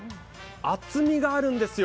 厚みがあるんですよ。